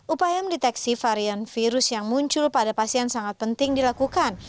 upaya mendeteksi varian virus yang muncul pada pasien sangat penting dilakukan